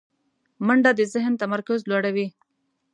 منډه د ذهن تمرکز لوړوي